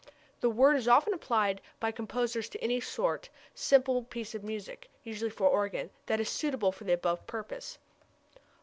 The word is often applied by composers to any short, simple piece of music (usually for organ) that is suitable for the above purpose.